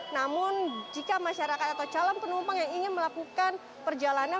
namun jika masyarakat atau calon penumpang yang ingin melakukan perjalanan